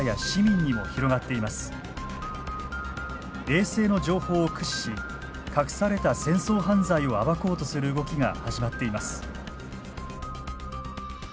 衛星の情報を駆使し隠された戦争犯罪を暴こうとする動きが始まっています。